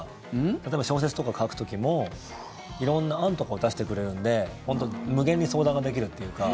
例えば、小説とか書く時も色んな案とかを出してくれるんで無限に相談ができるというか。